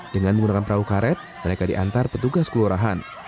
dengan menggunakan perahu karet mereka diantar petugas kelurahan